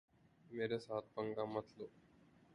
میرے ساتھ پنگا مت لو۔